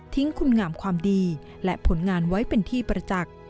คุณงามความดีและผลงานไว้เป็นที่ประจักษ์